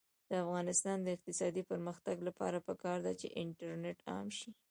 د افغانستان د اقتصادي پرمختګ لپاره پکار ده چې انټرنیټ عام شي.